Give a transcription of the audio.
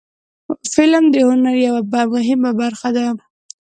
فلم د هنر یوه مهمه برخه ده